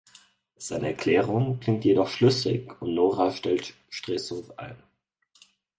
Seine Erklärung klingt jedoch schlüssig und Nora stellt Stresow ein.